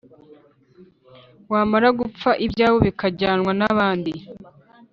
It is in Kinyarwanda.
wamara gupfa ibyawe bikajyanwa n'abandi.